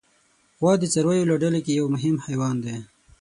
غوا د څارویو له ډله کې یو مهم حیوان دی.